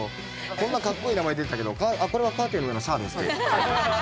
こんなかっこいい名前出てたけどこれはカーテンの上のシャーですって。